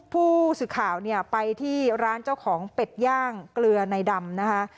ผู้สื่อข่าวเนี่ยไปที่ร้านเจ้าของเป็ดย่างเกลือในดำนะคะ